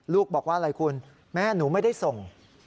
ลูกบอกว่าอะไรคุณแม่หนูไม่ได้ส่ง